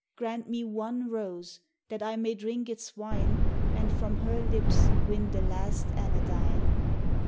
Grant me one rose that I may drink its wine, And from her lips win the last anodyne.